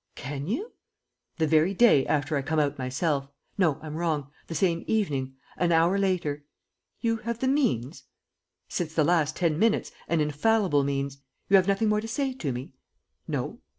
"Can you?" "The very day after I come out myself. No, I'm wrong: the same evening ... an hour later." "You have the means?" "Since the last ten minutes, an infallible means. You have nothing more to say to me?" "No."